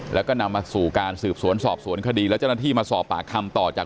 แล้วก็นำมาสู่การสืบสวนสอบสวนคดีแล้วเจ้าหน้าที่มาสอบปากคำต่อจาก